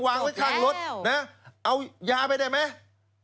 วางไว้ข้างรถดีครับนะเอายาไปได้ไหมได้